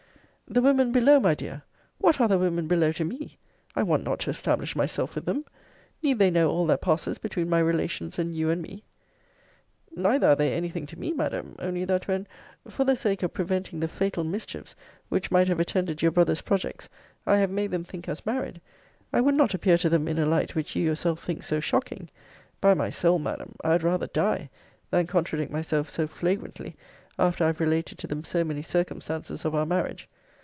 The women below, my dear What are the women below to me? I want not to establish myself with them. Need they know all that passes between my relations and you and me? Neither are they any thing to me, Madam. Only, that when, for the sake of preventing the fatal mischiefs which might have attended your brother's projects, I have made them think us married, I would not appear to them in a light which you yourself think so shocking. By my soul, Madam, I had rather die, than contradict myself so flagrantly, after I have related to them so many circumstances of our marriage.